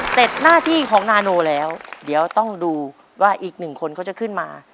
หน้าที่ของนาโนแล้วเดี๋ยวต้องดูว่าอีกหนึ่งคนเขาจะขึ้นมา